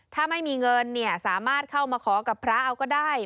ถ้าไม่มีเงินเนี่ยสามารถเข้ามาขอกับพระเอาก็ได้